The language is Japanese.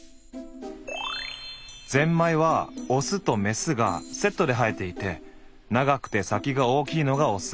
ぜんまいはオスとメスがセットで生えていて長くて先が大きいのがオス。